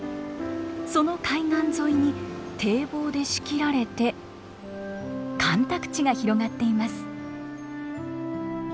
その海岸沿いに堤防で仕切られて干拓地が広がっています。